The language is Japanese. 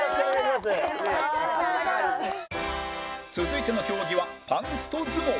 続いての競技は